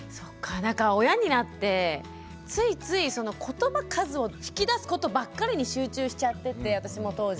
なんか親になってついついそのことば数を引き出すことばっかりに集中しちゃってて私も当時。